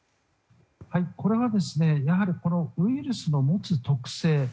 これはウイルスの持つ特性